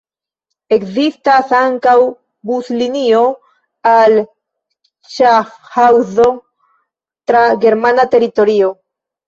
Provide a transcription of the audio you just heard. Ekzistas ankaŭ buslinio al Ŝafhaŭzo tra germana teritorio.